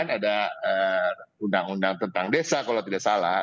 undang undang tentang desa kalau tidak salah